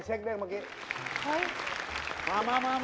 เช็คเด้งบ๊วยบ๊วยมาเลยมาเลย